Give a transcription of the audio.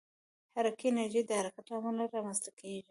حرکي انرژي د حرکت له امله رامنځته کېږي.